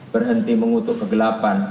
berhenti mengutuk kegelapan